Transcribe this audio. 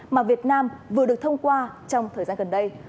mà việt nam vừa được thông qua trong thời gian gần đây